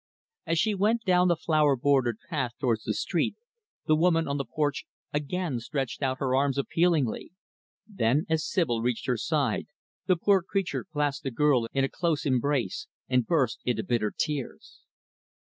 As she went down the flower bordered path towards the street, the woman on the porch, again, stretched out her arms appealingly. Then, as Sibyl reached her side, the poor creature clasped the girl in a close embrace, and burst into bitter tears.